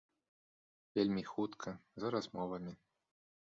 Вельмі хутка, за размовамі.